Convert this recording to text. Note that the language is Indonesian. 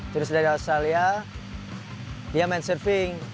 terus dari australia dia main surfing